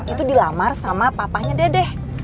itu dilamar sama papahnya dedeh